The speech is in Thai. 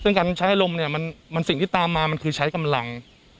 ซึ่งการใช้อารมณ์เนี่ยมันสิ่งที่ตามมามันคือใช้กำลัง